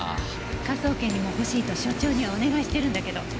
科捜研にも欲しいと所長にはお願いしてるんだけど。